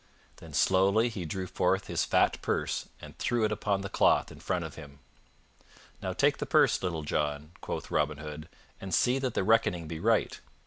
Then slowly he drew forth his fat purse and threw it upon the cloth in front of him. "Now take the purse, Little John," quoth Robin Hood, "and see that the reckoning be right.